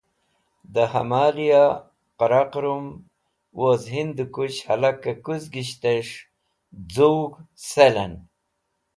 Dẽ hamaliya, Qararẽrũm woz Hundukus̃h hẽlakẽ kũsgishtẽs̃h z̃ug̃h sẽlen